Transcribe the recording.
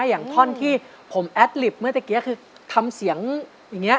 อย่างท่อนที่ผมแอดลิปเมื่อตะกี้คือทำเสียงอย่างนี้